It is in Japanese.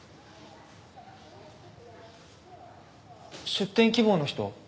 出店希望の人？